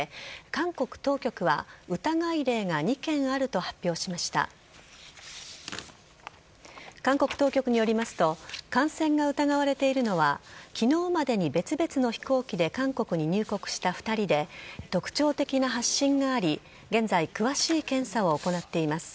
韓国当局によりますと感染が疑われているのは昨日までに別々の飛行機で韓国に入国した２人で特徴的な発疹があり現在、詳しい検査を行っています。